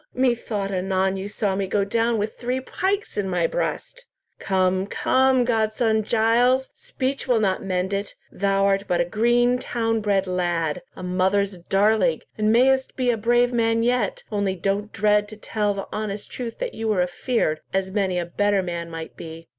Methought anon you saw me go down with three pikes in my breast. Come, come, godson Giles, speech will not mend it! Thou art but a green, town bred lad, a mother's darling, and mayst be a brave man yet, only don't dread to tell the honest truth that you were afeard, as many a better man might be."